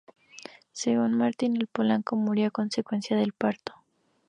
Según Martín el Polaco, murió a consecuencia del parto.